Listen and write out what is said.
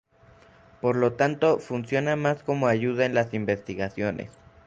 Por lo tanto, funciona más como ayuda en las investigaciones.